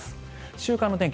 週間の天気